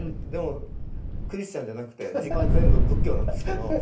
でもクリスチャンじゃなくて実家は全部仏教なんですけど。